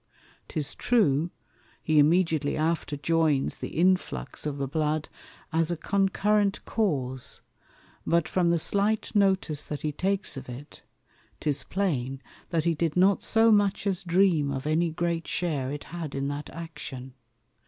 'Tis true, he immediately after joins the Influx of the Blood as a concurrent Cause; but from the slight notice that he takes of it, 'tis plain, that he did not so much as dream of any great share it had in that Action.